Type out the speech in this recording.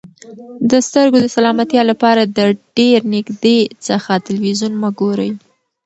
د سترګو د سلامتیا لپاره د ډېر نږدې څخه تلویزیون مه ګورئ.